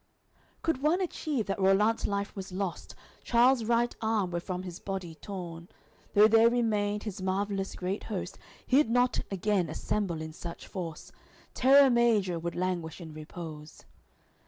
AOI. XLV "Could one achieve that Rollant's life was lost, Charle's right arm were from his body torn; Though there remained his marvellous great host, He'ld not again assemble in such force; Terra Major would languish in repose."